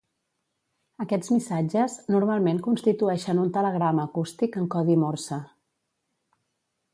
Aquests missatges, normalment constitueixen un telegrama acústic en codi Morse.